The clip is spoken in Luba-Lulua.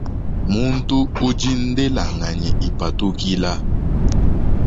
Muntu udi ndelanganyi ipatukila.